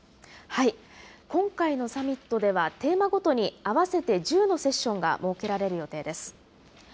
今回のサミットでは、テーマごとに合わせて１０のセッションが設けられる予定です。